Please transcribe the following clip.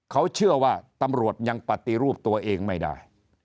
เขาเชื่อว่าตำรวจยังปฏิรูปตัวเองไม่ได้